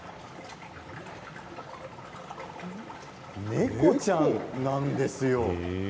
猫ちゃんなんですよ。